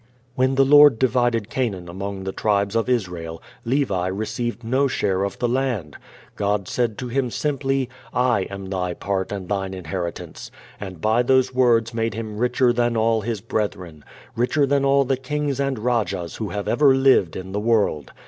When the Lord divided Canaan among the tribes of Israel Levi received no share of the land. God said to him simply, "I am thy part and thine inheritance," and by those words made him richer than all his brethren, richer than all the kings and rajas who have ever lived in the world.